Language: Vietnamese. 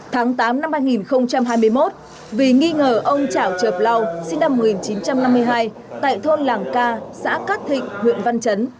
tháng tám năm hai nghìn hai mươi một vì nghi ngờ ông trảo trợt lau sinh năm một nghìn chín trăm năm mươi hai tại thôn làng ca xã cát thịnh huyện văn chấn